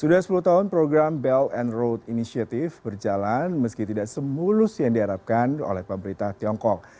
sudah sepuluh tahun program belt and road initiative berjalan meski tidak semulus yang diharapkan oleh pemerintah tiongkok